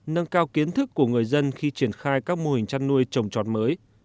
nâng cao kiến thức của người dân khi triển khai các mô hình chăn nuôi trồng trọt mới